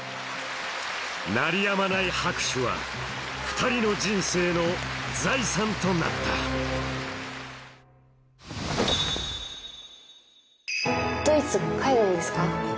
鳴りやまない拍手は２人の人生の財産となったドイツ帰るんですか？